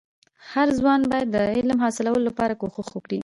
هرځوان باید د علم د حاصلولو لپاره کوښښ وکړي.